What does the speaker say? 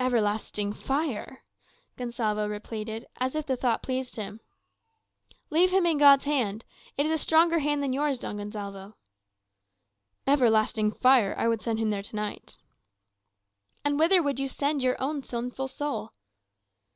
"Everlasting fire!" Gonsalvo repeated, as if the thought pleased him. "Leave him in God's hand. It is a stronger hand than yours, Don Gonsalvo." "Everlasting fire! I would send him there to night." "And whither would you send your own sinful soul?"